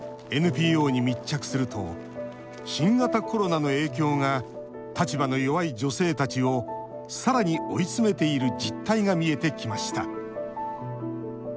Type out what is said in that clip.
ＮＰＯに密着すると新型コロナの影響が立場の弱い女性たちをさらに追い詰めている実態が見えてきました。